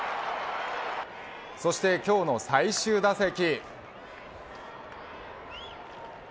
そして今日の最終打席。